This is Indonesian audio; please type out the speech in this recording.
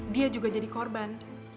dia juga jadi korban